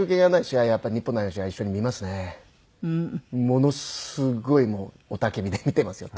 ものすごい雄たけびで見ていますよ。